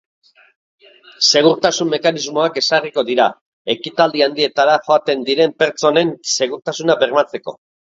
Segurtasun mekanismoak ezarriko dira, ekitaldi handietara joaten diren pertsonen segurtasuna bermatzeko.